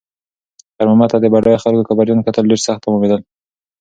خیر محمد ته د بډایه خلکو کبرجن کتل ډېر سخت تمامېدل.